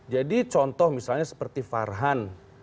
jadi contoh misalnya seperti farhan